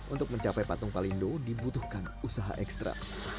untuk mencapai patung palindo dibutuhkan usaha ekstra